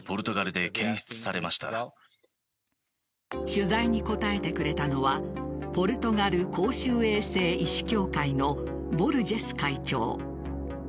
取材に答えてくれたのはポルトガル公衆衛生医師協会のボルジェス会長。